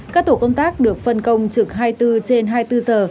các tổ công tác được phân công trực hai mươi bốn trên hai mươi bốn giờ